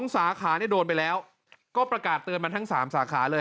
สาขาเนี่ยโดนไปแล้วก็ประกาศเตือนมาทั้ง๓สาขาเลย